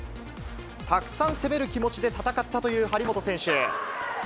たくさん攻める気持ちで戦ったという張本選手。